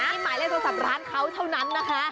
นี่หมายเลขโทรศัพท์ร้านเขาเท่านั้นนะคะ